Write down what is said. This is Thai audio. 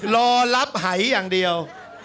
รอรับหายอย่างเดียว